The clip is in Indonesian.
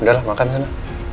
udah lah makan sana